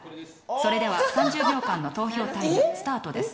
それでは、３０秒間の投票タイムスタートです。